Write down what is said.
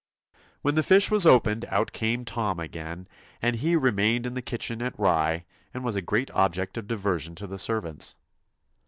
When the fish was opened out came Tom again, and he remained in the kitchen at Rye, and was a great object of diversion to the servants.